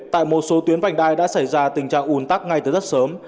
tại một số tuyến vành đai đã xảy ra tình trạng ủn tắc ngay từ rất sớm